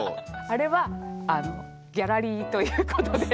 あれはあのギャラリーということで。